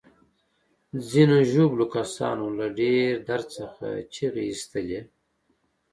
ځینو ژوبلو کسانو له ډیر درد څخه چیغې ایستلې.